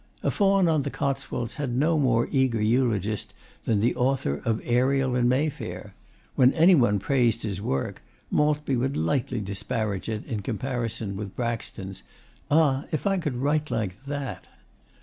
'A Faun on the Cotswolds' had no more eager eulogist than the author of 'Ariel in Mayfair.' When any one praised his work, Maltby would lightly disparage it in comparison with Braxton's 'Ah, if I could write like THAT!